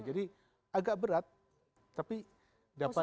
jadi agak berat tapi dapat